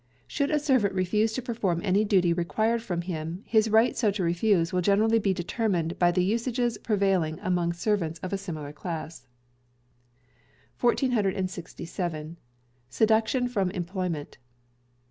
Should a Servant Refuse to perform any duty required from him, his right so to refuse will generally be determined by the usages prevailing among servants of a similar class. 1467. Seduction from Employment.